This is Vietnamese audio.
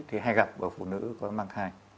thì hay gặp ở phụ nữ có mang thai